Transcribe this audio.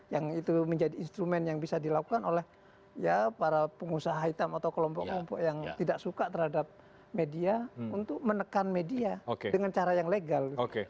yang itu menjadi instrumen yang bisa dilakukan oleh para pengusaha hitam atau kelompok kelompok yang tidak suka terhadap media untuk menekan media dengan cara yang legal